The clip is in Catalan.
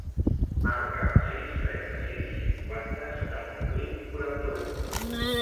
Marca el sis, trenta-sis, cinquanta, setanta-vuit, quaranta-u.